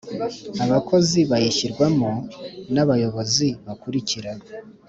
abakozi ba yishyirwamo n’abayobozi bakurikira :